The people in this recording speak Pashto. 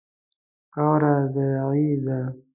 خاوره زرعي ده.